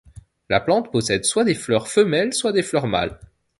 La plante possède soit des fleurs femelles soit des fleurs mâles.